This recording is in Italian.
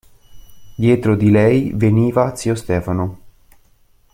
Dietro di lei veniva zio Stefano.